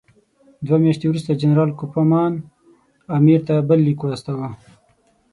دوه میاشتې وروسته جنرال کوفمان امیر ته بل لیک واستاوه.